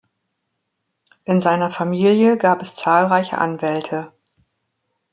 In seiner Familie gab es zahlreiche Anwälte.